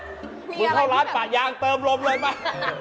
มีอะไรบ่อยหรือเปล่ามึงเข้าร้านป่ายยางเติมลมเลยมา